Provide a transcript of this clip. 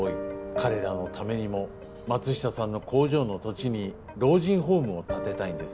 彼らのためにも松下さんの工場の土地に老人ホームを建てたいんです。